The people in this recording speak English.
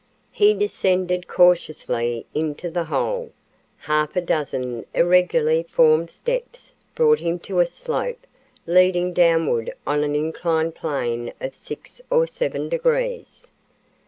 He descended cautiously into the hole. Half a dozen irregularly formed steps brought him to a slope leading downward on an inclined plane of six or seven degrees.